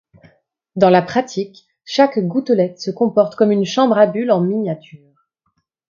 Dans la pratique, chaque gouttelette se comporte comme une chambre à bulles en miniature.